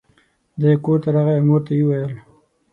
دی کور ته راغی او مور ته یې وویل.